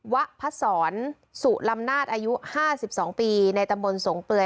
วะพัสสรสู่ลำนาจอายุ๕๒ปีในตะโมนสงเปรือ